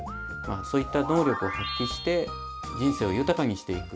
そういった能力を発揮して人生を豊かにしていく。